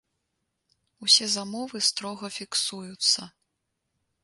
Усе замовы строга фіксуюцца.